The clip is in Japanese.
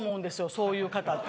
そういう方って。